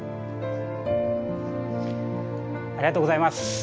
ありがとうございます。